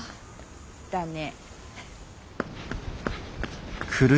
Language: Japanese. だね。